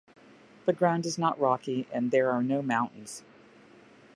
The ground is not rocky and there are no mountains.